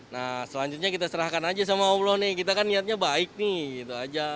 nah selanjutnya kita serahkan aja sama allah nih kita kan niatnya baik nih gitu aja